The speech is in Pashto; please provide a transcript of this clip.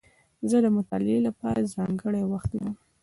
زه د مطالعې له پاره ځانګړی وخت لرم.